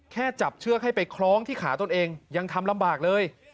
แค่จับเชือกให้ไปคล้องที่ขาตนเองยังทำลำบากเลย